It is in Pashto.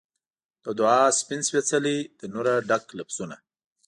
د دعا سپین سپیڅلي د نوره ډک لفظونه